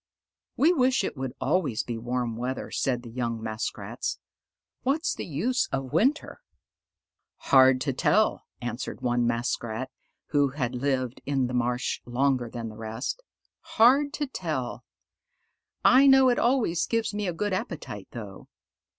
"We wish it would always be warm weather," said the young Muskrats. "What's the use of winter?" "Hard to tell," answered one Muskrat, who had lived in the marsh longer than the rest. "Hard to tell: I know it always gives me a good appetite, though."